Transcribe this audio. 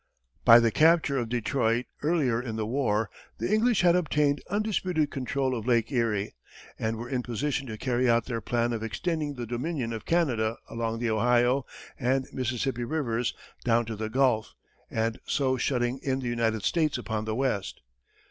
By the capture of Detroit, earlier in the war, the English had obtained undisputed control of Lake Erie, and were in position to carry out their plan of extending the Dominion of Canada along the Ohio and Mississippi rivers down to the Gulf, and so shutting in the United States upon the West.